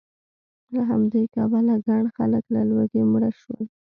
له همدې کبله ګڼ خلک له لوږې مړه شول